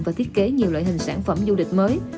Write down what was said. và thiết kế nhiều loại hình sản phẩm du lịch mới